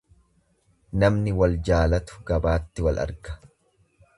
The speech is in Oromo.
Namni wal jaalatu gabaatti wal arga.